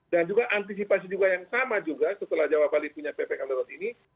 dan juga antisipasi juga yang sama juga setelah jawa bali punya ppk menurut ini